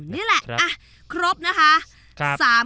นี่แหละครบนะคะ